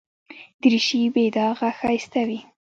دریشي بې داغه ښایسته وي.